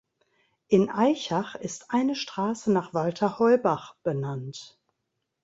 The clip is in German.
In Aichach ist eine Straße nach Walter Heubach benannt.